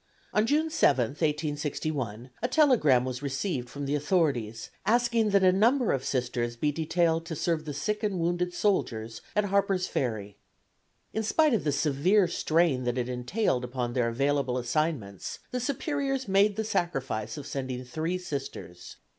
On June 7, 1861, a telegram was received from the authorities asking that a number of Sisters be detailed to serve the sick and wounded soldiers at Harper's Ferry. In spite of the severe strain that it entailed upon their available assignments, the Superiors made the sacrifice of sending three Sisters.